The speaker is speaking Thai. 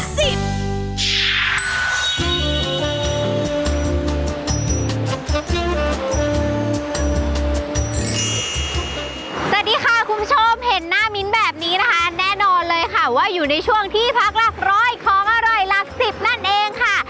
สวัสดีค่ะคุณผู้ชมเห็นหน้ามิ้นแบบนี้นะคะแน่นอนเลยค่ะว่าอยู่ในช่วงที่พักหลักร้อยของอร่อยหลักสิบนั่นเองค่ะ